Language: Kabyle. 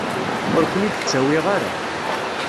Ur ken-id-ttawiɣ ara.